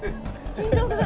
緊張する！